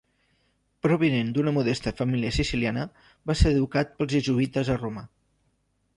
Provinent d'una modesta família siciliana, va ser educat pels jesuïtes a Roma.